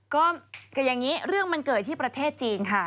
ก็คืออย่างนี้เรื่องมันเกิดที่ประเทศจีนค่ะ